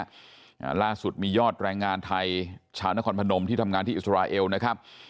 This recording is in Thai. อ่าล่าสุดมียอดแรงงานไทยชาวนครพนมที่ทำงานที่อิสราเอลนะครับ